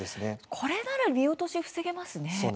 これなら見落とし防げますね。